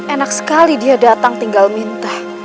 enak sekali dia datang tinggal minta